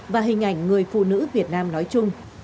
và hình ảnh người phụ nữ việt nam nói chung